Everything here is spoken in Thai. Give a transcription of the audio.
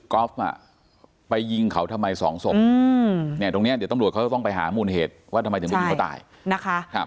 ก๊อฟไปยิงเขาทำไมสองศพเนี่ยตรงนี้เดี๋ยวต้องหามูลเหตุว่าทำไมถึงจะยิงเขาตาย